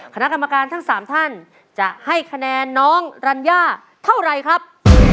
คณะกรรมการทั้ง๓ท่านจะให้คะแนนน้องรัญญาเท่าไรครับ